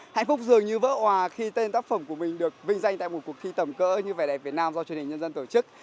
hạnh phúc dường như vỡ hòa khi tên tác phẩm của mình được vinh danh tại một cuộc thi tầm cỡ như vẻ đẹp việt nam do truyền hình nhân dân tổ chức